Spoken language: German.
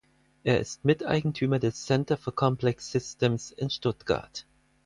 Er ist Miteigentümer des "Center for Complex Systems" in Stuttgart.